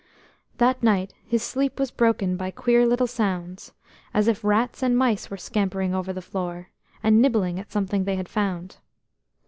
That night his sleep was broken by queer little sounds, as if rats and mice were scampering over the floor, and nibbling at something they had found.